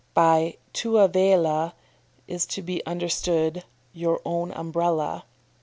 "] By tua vela is to be understood "your own Umbrella."